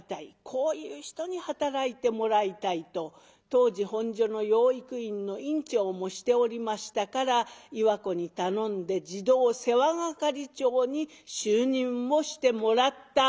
こういう人に働いてもらいたい」と当時本所の養育院の院長もしておりましたから岩子に頼んで児童世話係長に就任をしてもらった。